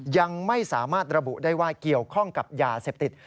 ยังไม่สามารถระบุได้ว่าเกี่ยวข้องกับยาเสพติด